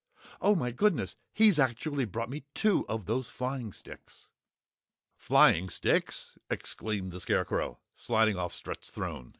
Oh! My goodness! He's actually brought me two of those flying sticks!" "Flying sticks?" exclaimed the Scarecrow, sliding off Strut's throne.